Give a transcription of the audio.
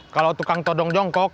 kalau tukang todong jongkok